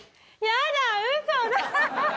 やだ、うそだ！